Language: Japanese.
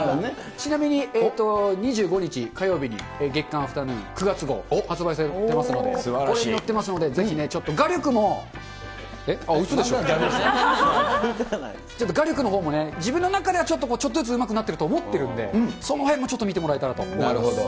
ちなみに２５日火曜日に月刊アフタヌーン９月号、発売されてますので、これに載ってますので、ぜひね、ちょっと、画力も、ちょっと画力のほうもね、自分の中ではちょっと、ちょっとずつうまくなってると思ってるので、そのへんもちょっと見てもらなるほど。